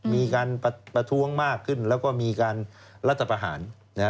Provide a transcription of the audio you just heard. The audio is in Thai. มีการประท้วงมากขึ้นแล้วก็มีการรัฐประหาร